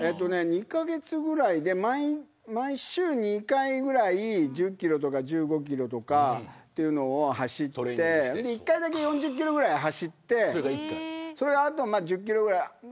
２カ月ぐらいで、週２回ぐらい１０キロとか１５キロとかっていうのを走って１回だけ４０キロぐらい走ってあとは１０キロぐらい。